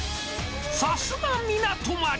さすが港町。